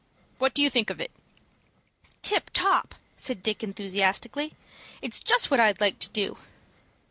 What do you think of it?" "Tip top," said Dick, enthusiastically. "It's just what I'd like to do."